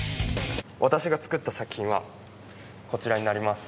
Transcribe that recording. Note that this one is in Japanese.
私が作った作品はこちらになります。